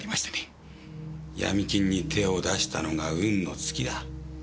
闇金に手を出したのが運の尽きだ。